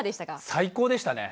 最高でしたね！